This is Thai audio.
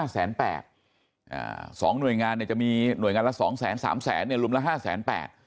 สองหน่วยงานเนี่ยจะมีหน่วยงานละ๒๐๐๐๐๐๓๐๐๐๐๐ลุมละ๕๘๐๐๐๐